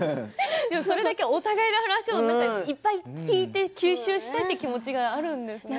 それだけお互いの話をいっぱい聞いて吸収したいという気持ちがあるんですね。